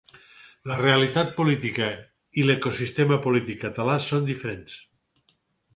La realitat política i l’ecosistema polític català són diferents.